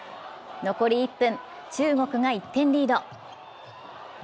残り１分、中国が１点リード。